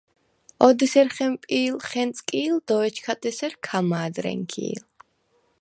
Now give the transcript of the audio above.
ოდ’ ე̄სერ ხე̄მპი̄ლ, ხე̄ნწკი̄ლ, დო ეჩქად ესერ ქა მა̄დ რე̄ნქი̄ლ.